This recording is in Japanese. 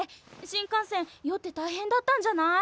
新幹線酔って大変だったんじゃない？